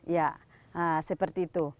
ya seperti itu